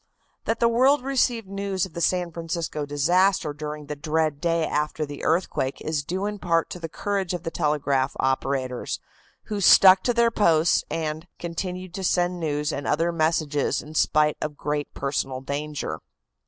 That the world received news of the San Francisco disaster during the dread day after the earthquake is due in part to the courage of the telegraph operators, who stuck to their posts and, continued to send news and other messages in spite of great personal danger.